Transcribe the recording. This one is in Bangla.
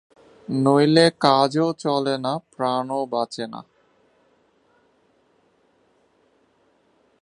নইলে কাজও চলে না প্রাণও বাঁচে না।